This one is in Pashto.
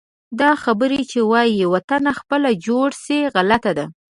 دا خبره چې وایي: وطنه خپله جوړ شي، غلطه ده.